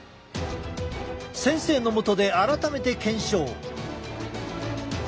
先生のもとで改めて検証！